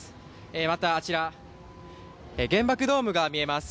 また、あちら原爆ドームが見えます。